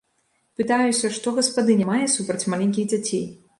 Пытаюся, што гаспадыня мае супраць маленькіх дзяцей.